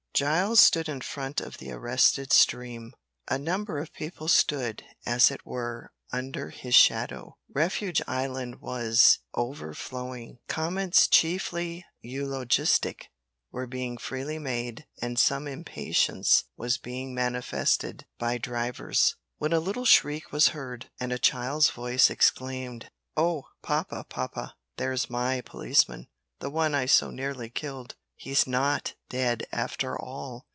Giles stood in front of the arrested stream. A number of people stood, as it were, under his shadow. Refuge island was overflowing. Comments, chiefly eulogistic, were being freely made and some impatience was being manifested by drivers, when a little shriek was heard, and a child's voice exclaimed: "Oh! papa, papa there's my policeman the one I so nearly killed. He's not dead after all!"